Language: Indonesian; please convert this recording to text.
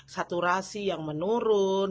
saturasi yang menurun